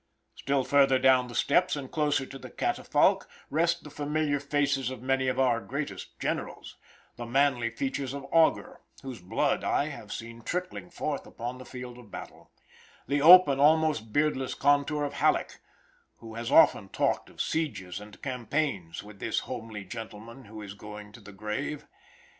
Still further down the steps and closer to the catafalque rest the familiar faces of many of our greatest generals the manly features of Augur, whose blood I have seen trickling forth upon the field of battle; the open almost, beardless contour of Halleck, who has often talked of sieges and campaigns with this homely gentleman who is going to the grave.